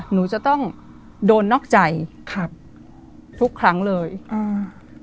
หนูจะต้องโดนนอกใจครับทุกครั้งเลยอ่า